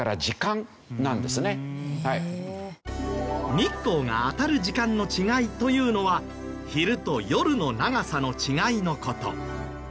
日光が当たる時間の違いというのは昼と夜の長さの違いの事。